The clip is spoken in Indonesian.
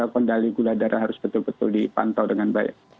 kendali gula darah harus betul betul dipantau dengan baik